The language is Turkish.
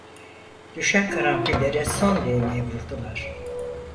Düşen karanfillere son değneği vurdular…